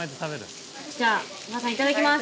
じゃあお母さんいただきます。